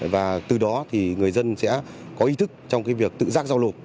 và từ đó thì người dân sẽ có ý thức trong việc tự giác giao nộp